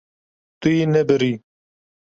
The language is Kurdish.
Tu yê nebirî.